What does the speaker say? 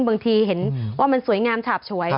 บางทีเห็นว่ามันสวยงามฉาบฉวย